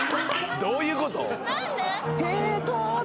どういうこと？